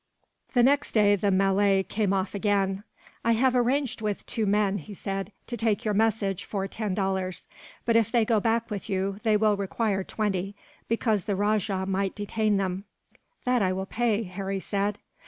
The next day the Malay came off again. "I have arranged with two men," he said, "to take your message, for ten dollars; but if they go back with you, they will require twenty, because the rajah might detain them." "That I will pay," Harry said.